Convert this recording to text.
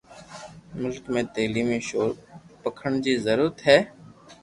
ملڪ ۾ تعليمي شعور پکيڙڻ جي ضرورت آهي.